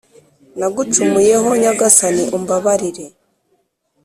Nagucumuyeho nyagasani umbabarire.